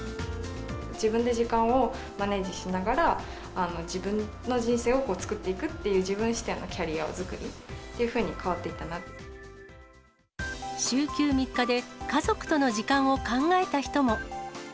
自分で時間をマネージしながら、自分の人生を作っていくっていう自分視点のキャリア作りというふ週休３日で、家族との時間を考えた人も。